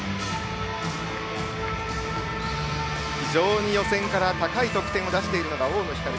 非常に予選から高い得点を出しているのが大野ひかる。